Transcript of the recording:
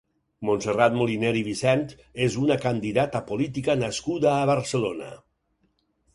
Montserrat Moliner i Vicent és una candidata política nascuda a Barcelona.